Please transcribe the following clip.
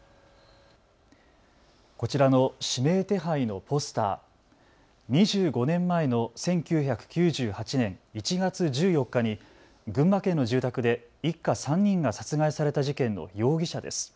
こちらの指名手配のポスター、２５年前の１９９８年１月１４日に群馬県の住宅で一家３人が殺害された事件の容疑者です。